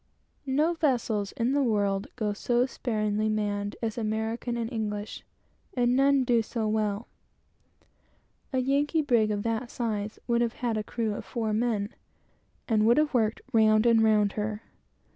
No vessels in the world go so poorly manned as American and English; and none do so well. A Yankee brig of that size would have had a crew of four men, and would have worked round and round her.